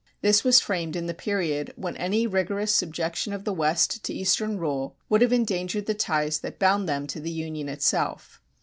This was framed in the period when any rigorous subjection of the West to Eastern rule would have endangered the ties that bound them to the Union itself.